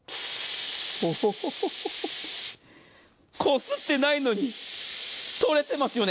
ほほほほ、こすってないのに取れてますよね。